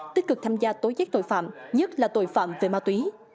tích cực tham gia tối giác tội phạm nhất là tội phạm về ma túy